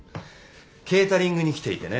ケータリングに来ていてね。